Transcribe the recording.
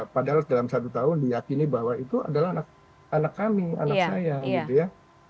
padahal dalam satu tahun diyakini bahwa itu adalah anak kami anak saya gitu ya